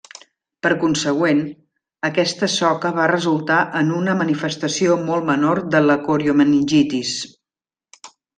Per consegüent, aquesta soca va resultar en una manifestació molt menor de la coriomeningitis.